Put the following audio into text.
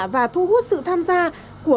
và thu hút sự tham gia của